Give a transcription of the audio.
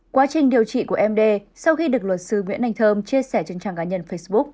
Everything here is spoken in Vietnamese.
quá trình điều trị của md sau khi được luật sư nguyễn anh thơm chia sẻ trên trang cá nhân facebook